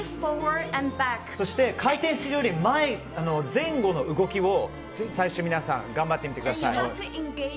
そして回転するより前後の動きを最初、皆さん頑張ってみてください。